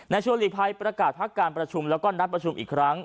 ชัวร์หลีกภัยประกาศพักการประชุมแล้วก็นัดประชุมอีกครั้ง